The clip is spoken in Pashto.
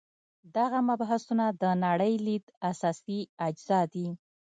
دغه مبحثونه د نړۍ لید اساسي اجزا دي.